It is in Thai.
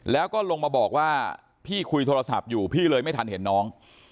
แล้วก็ลงมาบอกว่าพี่คุยโทรศัพท์อยู่พี่เลยไม่ทันเห็นน้อง